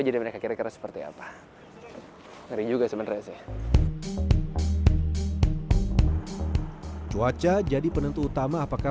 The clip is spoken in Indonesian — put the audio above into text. jadi mereka kira kira seperti apa ngeri juga sebenarnya sih cuaca jadi penentu utama apakah